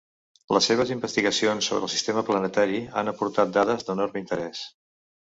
Les seves investigacions sobre el sistema planetari han aportat dades d'enorme interès.